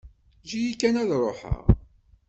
Eǧǧ-iyi kan ad ṛuḥeɣ.